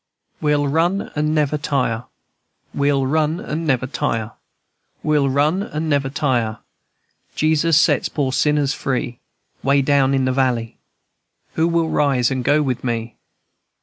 "We'll run and never tire, We'll run and never tire, We'll run and never tire, Jesus set poor sinners free. Way down in de valley, Who will rise and go with me?